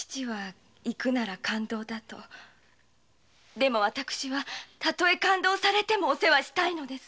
でも私は例え勘当されてもお世話したいのです。